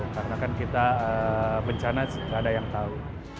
karena kan kita bencana sih nggak ada yang tahu